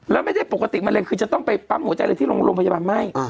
แล้วไม่ได้ปกติมะเร็งคือจะต้องไปปั๊มหัวใจอะไรที่โรงพยาบาลไหม้